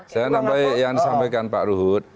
saya nambah yang disampaikan pak ruhut